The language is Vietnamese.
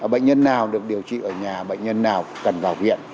bệnh nhân nào được điều trị ở nhà bệnh nhân nào cần vào viện